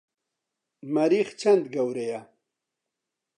مەریخ چەند گەورەیە؟